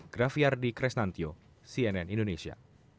grafiardi kresnantyo cnn indonesia